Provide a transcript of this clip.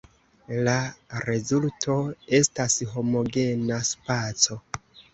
La rezulto estas homogena spaco.